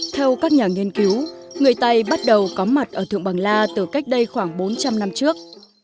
theo các nhà nghiên cứu người tây bắt đầu có mặt ở thượng bằng la từ cách đây khoảng bốn trăm linh năm trước